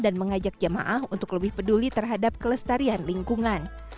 dan mengajak jamaah untuk lebih peduli terhadap kelestarian lingkungan